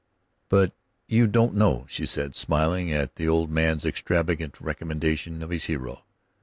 "But you don't know," she said, smiling at the old man's extravagant recommendation of his hero.